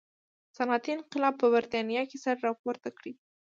صنعتي انقلاب په برېټانیا کې سر راپورته کړي.